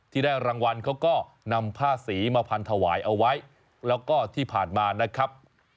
ที่ได้รางวัลเขาก็นำผ้าสีมาพันถวายเอาไว้แล้วก็ที่ผ่านมานะครับ